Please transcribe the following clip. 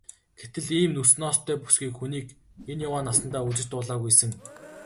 Гэтэл ийм үс ноостой бүсгүй хүнийг энэ яваа насандаа үзэж дуулаагүй сэн.